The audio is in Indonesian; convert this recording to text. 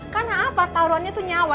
karena apa taruhannya tuh nyawa